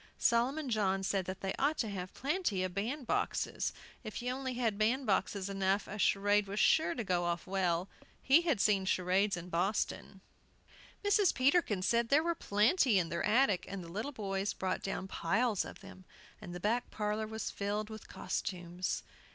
Solomon John said they ought to have plenty of bandboxes; if you only had bandboxes enough a charade was sure to go off well; he had seen charades in Boston. Mrs. Peterkin said there were plenty in their attic, and the little boys brought down piles of them, and the back parlor was filled with costumes.